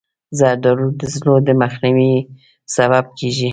زردالو د زړو د مخنیوي سبب کېږي.